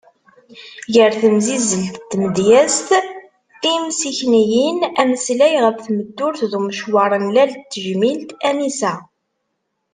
Gar temsizelt n tmedyazt, timsikniyin, ameslay ɣef tmeddurt d umecawar n lal n tejmilt Anisa.